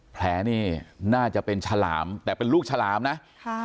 แผลนี่น่าจะเป็นฉลามแต่เป็นลูกฉลามนะค่ะ